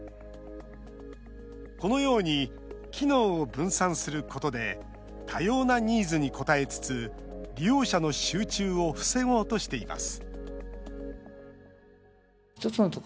このように機能を分散することで多様なニーズに応えつつ利用者の集中を防ごうとしています